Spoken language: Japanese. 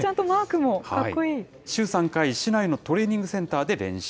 週３回、市内のトレーニングセンターで練習。